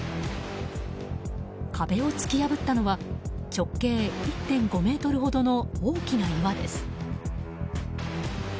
壁を突き破ったのは直径１．５ｍほどの大きな岩です。